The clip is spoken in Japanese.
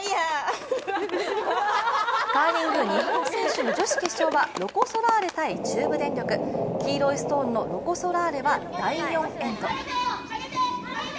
カーリング日本選手権の女子決勝は黄色いストーンのロコ・ソラーレは第４エンド。